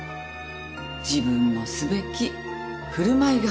自分のすべき振る舞いが。